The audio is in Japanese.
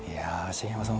茂山さん